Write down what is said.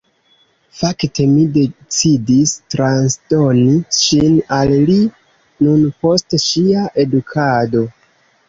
Fakte mi decidis transdoni ŝin al li nun post ŝia edukado.